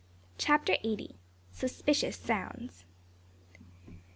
CHAPTER EIGHTY. SUSPICIOUS SOUNDS.